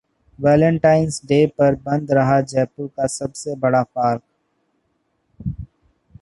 Valentine's day पर बंद रहा जयपुर का सबसे बड़ा पार्क